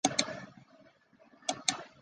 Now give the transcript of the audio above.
他也是澳大利亚板球国家队现在的队长。